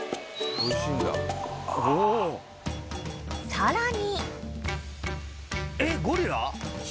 ［さらに］